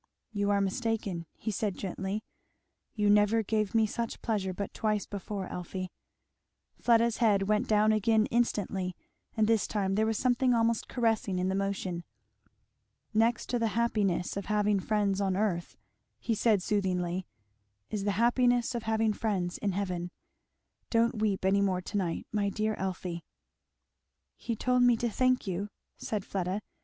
"You are mistaken," he said gently. "You never gave me such pleasure but twice before, Elfie." Fleda's head went down again instantly, and this time there was something almost caressing in the motion. "Next to the happiness of having friends on earth," he said soothingly, "is the happiness of having friends in heaven. Don't weep any more to night, my dear Elfie." "He told me to thank you " said Fleda.